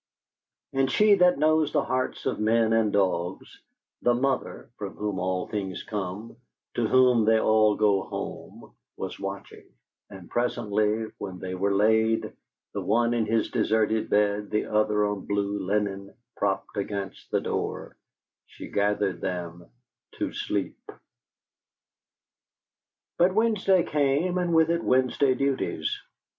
And She that knows the hearts of men and dogs, the Mother from whom all things come, to whom they all go home, was watching, and presently, when they were laid, the one in his deserted bed, the other on blue linen, propped against the door, She gathered them to sleep. But Wednesday came, and with it Wednesday duties.